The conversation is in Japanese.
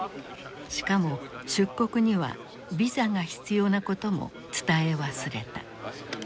しかも出国にはビザが必要なことも伝え忘れた。